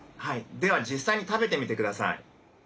では実際に食べてみてください。